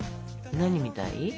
何みたい？